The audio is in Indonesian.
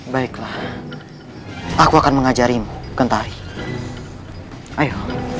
baiklah aku akan mengajari kentari ayo